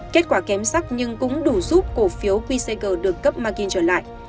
kết quả kém sắc nhưng cũng đủ giúp cổ phiếu quy sager được cấp margin trở lại